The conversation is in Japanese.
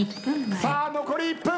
さあ残り１分。